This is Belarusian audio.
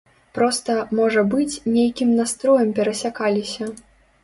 Проста, можа быць, нейкім настроем перасякаліся.